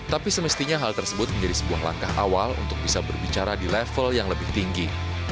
tapi semestinya hal tersebut menjadi sebuah langkah awal untuk bisa berbicara di level yang lebih tinggi